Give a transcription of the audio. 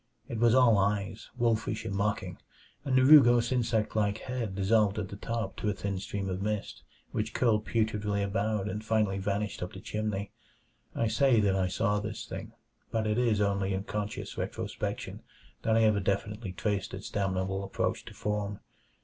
It was all eyes wolfish and mocking and the rugose insect like head dissolved at the top to a thin stream of mist which curled putridly about and finally vanished up the chimney. I say that I saw this thing, but it is only in conscious retrospection that I ever definitely traced its damnable approach to form.